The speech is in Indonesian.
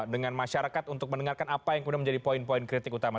dengan masyarakat untuk mendengarkan apa yang kemudian menjadi poin poin kritik utama